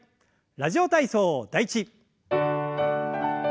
「ラジオ体操第１」。